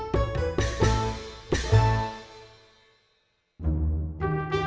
mas kau dari nanti